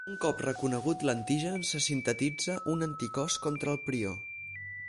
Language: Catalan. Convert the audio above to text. Un cop reconegut l'antigen, se sintetitza un anticòs contra el prió.